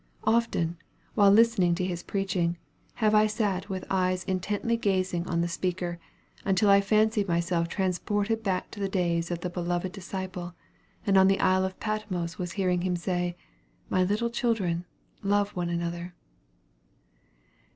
Often, while listening to his preaching, have I sat with eyes intently gazing on the speaker, until I fancied myself transported back to the days of the "beloved disciple," and on the Isle of Patmos was hearing him say, "My little children, love one another."